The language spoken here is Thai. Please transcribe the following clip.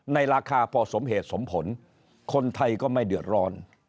ราคาพอสมเหตุสมผลคนไทยก็ไม่เดือดร้อน